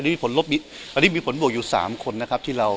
อันนี้มีผลบวกอยู่๓คนนะครับที่เรา